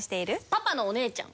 パパのおねえちゃん。